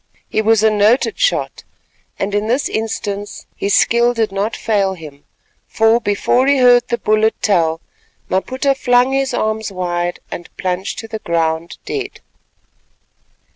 He was a noted shot, and in this instance his skill did not fail him; for, before he heard the bullet tell, Maputa flung his arms wide and plunged to the ground dead.